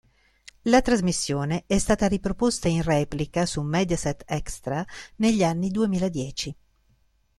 La trasmissione è stata riproposta in replica su Mediaset Extra negli anni duemiladieci.